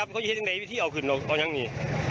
ก็ทำงาน